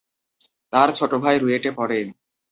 তার ছোট ভাই রুয়েটে পড়ে।